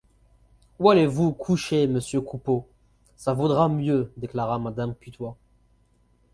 Oui, allez vous coucher, monsieur Coupeau, ça vaudra mieux, déclara madame Putois.